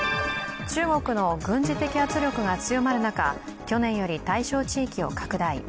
中国の軍事的圧力が強まる中、去年より対象地域を拡大。